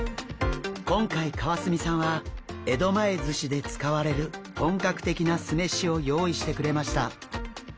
今回川澄さんは江戸前寿司で使われる本格的な酢飯を用意してくれました。